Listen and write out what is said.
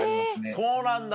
そうなんだ。